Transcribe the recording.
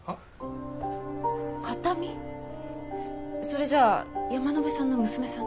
それじゃあ山野辺さんの娘さんって。